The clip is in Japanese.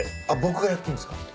あっ僕がやっていいんですか？